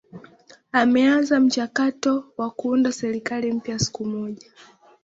ameanza mchakato wa kuunda serikali mpya siku moja